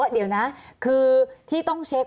เดี๋ยวนะคือที่ต้องเช็ค